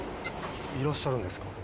いらっしゃるんですか？